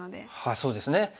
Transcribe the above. そうですね。